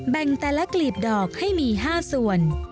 แบ่งแต่ละกลีบดอกให้มี๕ส่วน